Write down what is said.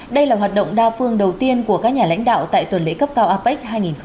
đây là hoạt động đa phương đầu tiên của các nhà lãnh đạo tại tuần lễ cấp cao apec hai nghìn hai mươi